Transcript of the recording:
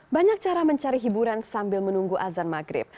banyak cara mencari hiburan sambil menunggu azan maghrib